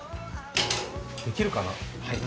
できるかな。